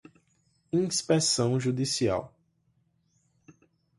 inspeção judicial